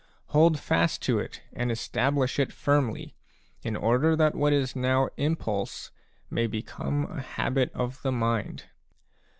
Hold fast to it and establish it firmly, in order that what is now impulse may become a habit of the mind.